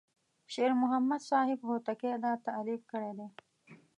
شیر محمد صاحب هوتکی دا تألیف کړی دی.